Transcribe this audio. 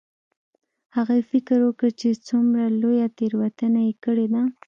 هغې فکر وکړ چې څومره لویه تیروتنه یې کړې ده